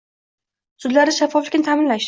Sudlarda shaffoflikni ta'minlash